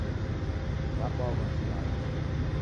W'abw'aghw'a ni njala